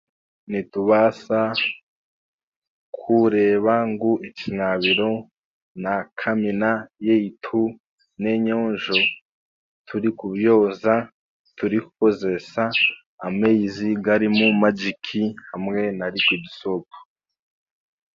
Nitubaasa kureeba ngu ekinaabiro na kamina byaitu n'enyonjo, turikubyoza, turikukozeesa amaizi garimu magiki, hamwe na rikwidi soopu.